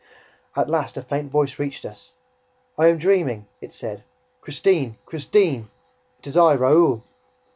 At last, a faint voice reached us. "I am dreaming!" it said. "Christine, Christine, it is I, Raoul!"